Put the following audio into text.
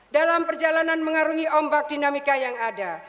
dalam perjalanan mengarungi ombak dinamika yang ada